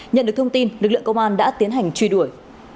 nhận được thông tin lực lượng công an đã tiến hành truy đuổi